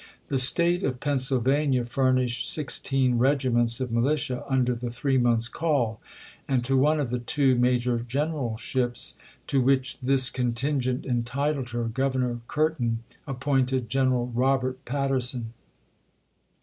The State of Pennsylvania furnished sixteen regi ments of militia under the three months' call ; and to one of the two major generalships to which THE ADVANCE 315 this contingent entitled her, Governor Curtin ap ch. xviir. pointed General Robert Patterson.